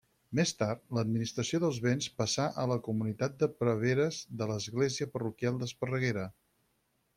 Més tard, l'administració dels béns passà a la comunitat de preveres de l'església parroquial d'Esparreguera.